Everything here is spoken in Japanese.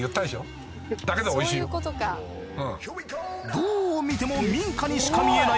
どう見ても民家にしか見えない